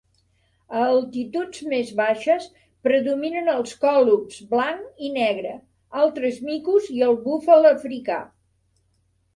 A altituds més baixes, predominen els còlobs blanc i negre, altres micos i el búfal africà.